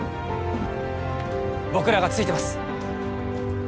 僕らがついてます。